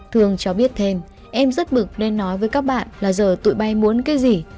thường cho biết thêm em rất bực nên nói với các bạn là giờ tụi bay muốn cái gì